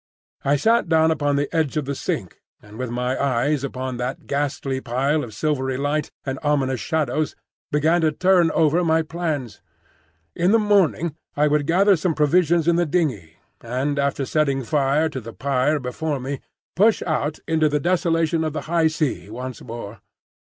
I sat down upon the edge of the sink, and with my eyes upon that ghastly pile of silvery light and ominous shadows began to turn over my plans. In the morning I would gather some provisions in the dingey, and after setting fire to the pyre before me, push out into the desolation of the high sea once more.